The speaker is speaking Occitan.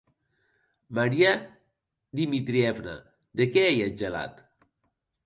Maria Dmitrievna, de qué ei eth gelat?